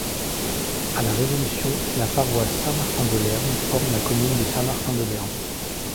À la Révolution, la paroisse Saint-Martin-de-Lerm forme la commune de Saint-Martin-de-Lerm.